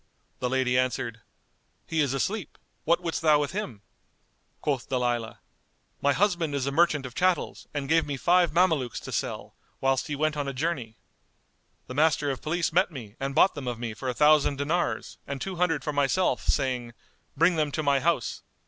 The lady answered, "He is asleep; what wouldst thou with him?" Quoth Dalilah, "My husband is a merchant of chattels and gave me five Mamelukes to sell, whilst he went on a journey. The Master of Police met me and bought them of me for a thousand dinars and two hundred for myself, saying, 'Bring them to my house.